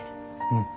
うん。